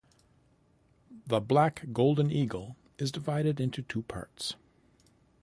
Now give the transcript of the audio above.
The "Black Golden Eagle" is divided into two parts.